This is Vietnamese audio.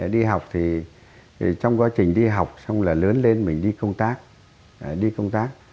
đi học thì trong quá trình đi học xong là lớn lên mình đi công tác đi công tác